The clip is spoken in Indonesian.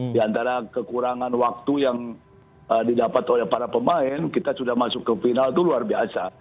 di antara kekurangan waktu yang didapat oleh para pemain kita sudah masuk ke final itu luar biasa